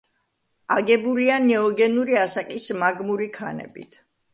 აგებულია ნეოგენური ასაკის მაგმური ქანებით.